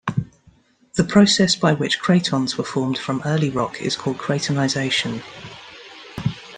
The process by which cratons were formed from early rock is called cratonization.